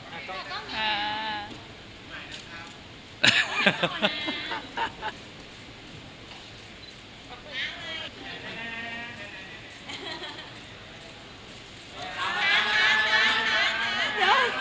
แต่จะนั่งหัวทาง